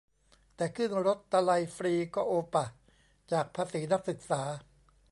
แต่ขึ้นรถตะลัยฟรี ก็โอป่ะ ? จากภาษีนักศึกษา